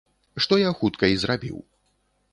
Што я хутка і зрабіў.